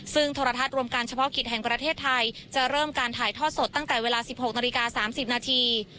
ซึ่งโทรทัศน์รวมการเฉพาะกิจแห่งประเทศไทยจะเริ่มการถ่ายทอดสดตั้งแต่เวลา๑๖นาฬิกา๓๐นาที